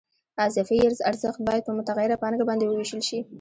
اضافي ارزښت باید په متغیره پانګه باندې ووېشل شي